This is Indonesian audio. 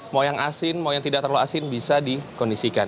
mau yang asin mau yang tidak terlalu asin bisa dikondisikan